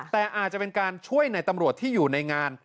แต่อาจจะเป็นการช่วยในตำรวจที่อยู่ในงาน